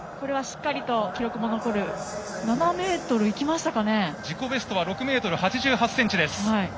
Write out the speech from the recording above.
これはしっかりと記録も残る自己ベストは６メートル８８センチです。